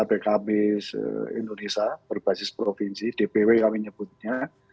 pkb se indonesia berbasis provinsi dpw kami sebutnya